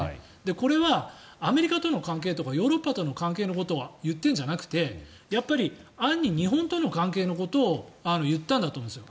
これはアメリカとの関係やヨーロッパとの関係を言ってるんじゃなくてやっぱり暗に日本との関係のことを言ったんだと思うんです。